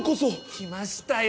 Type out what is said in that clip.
来ましたよ